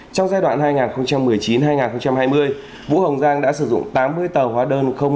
trong giai đoạn hai nghìn một mươi chín hai nghìn hai mươi vũ hồng giang đã sử dụng tám mươi tờ hóa đơn